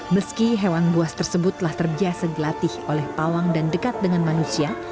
meski hewan buas tersebut telah terbiasa dilatih oleh pawang dan dekat dengan manusia